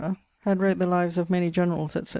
had wrote the lives of many generalles, etc.